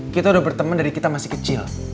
kita udah berteman dari kita masih kecil